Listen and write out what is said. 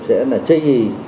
sẽ là chê gì